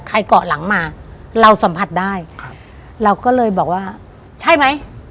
เกาะหลังมาเราสัมผัสได้ครับเราก็เลยบอกว่าใช่ไหม